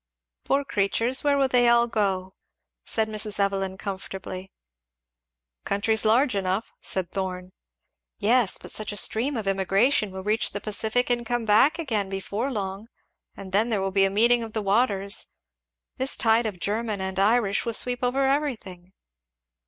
"Poor creatures! where will they all go?" said Mrs. Evelyn comfortably. "Country's large enough," said Thorn. "Yes, but such a stream of immigration will reach the Pacific and come back again before long: and then there will be a meeting of the waters! This tide of German and Irish will sweep over everything."